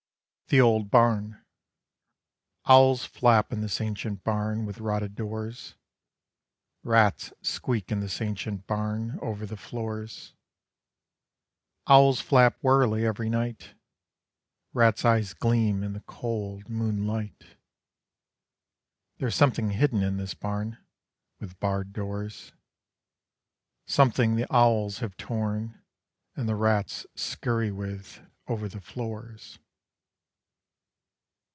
THE OLD BARN Owls flap in this ancient barn With rotted doors. Rats squeak in this ancient barn Over the floors. Owls flap warily every night, Rats' eyes gleam in the cold moonlight. There is something hidden in this barn, With barred doors. Something the owls have torn, And the rats scurry with over the floors.